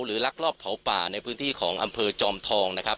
ลักลอบเผาป่าในพื้นที่ของอำเภอจอมทองนะครับ